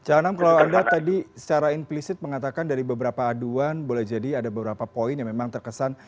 canang kalau anda tadi secara implisit mengatakan dari beberapa aduan boleh jadi ada beberapa poin yang memang terkesan